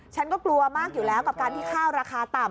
ฉันก็กลัวมากอยู่แล้วกับการที่ข้าวราคาต่ำ